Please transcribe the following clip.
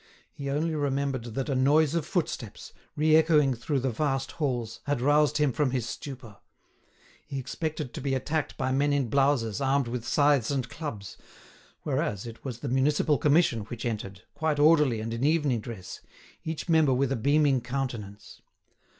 He only remembered that a noise of footsteps, re echoing through the vast halls, had roused him from his stupor. He expected to be attacked by men in blouses, armed with scythes and clubs, whereas it was the Municipal Commission which entered, quite orderly and in evening dress, each member with a beaming countenance.